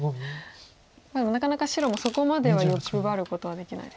なかなか白もそこまでは欲張ることはできないですか。